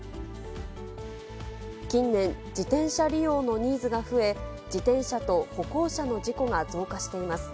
近年、自転車利用のニーズが増え、自転車と歩行者の事故が増加しています。